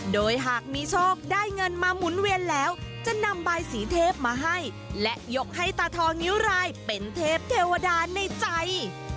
โดยหากมีโชคได้เงินมาหมุนเวียนแล้วจะนำใบสีเทพมาให้และยกให้ตาทองนิ้วรายเป็นเทพเทวดาในใจ